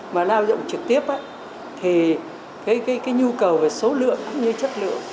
mà lao động trực tiếp thì cái nhu cầu về số lượng cũng như chất lượng